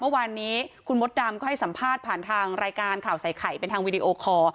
เมื่อวานนี้คุณมดดำก็ให้สัมภาษณ์ผ่านทางรายการข่าวใส่ไข่เป็นทางวีดีโอคอร์